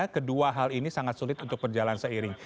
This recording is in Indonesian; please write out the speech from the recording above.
kedua hal ini sangat sulit untuk berjalan seiring